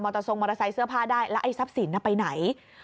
ทรงมอเตอร์ไซค์เสื้อผ้าได้แล้วไอ้ทรัพย์สินไปไหน